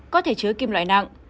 có thể chứa kim loại nặng